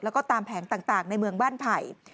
แล้วก็ตามแผงต่างในเมืองบ้านไผ่